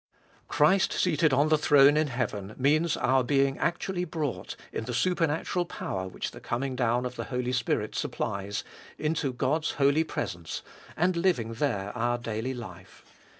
Christ seated on the throne in heaven means our being actually brought, in the supernatural power which the coming down of the Holy Spirit supplies, into God's holy presence, and living there our daily life.